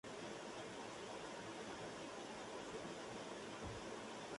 Está enfrente de la playa de la Mar Bella.